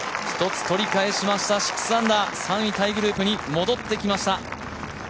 １つ取り返しました６アンダー３位タイグループに戻ってきました。